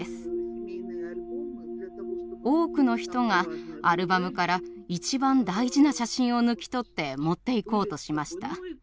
多くの人がアルバムから一番大事な写真を抜き取って持っていこうとしました。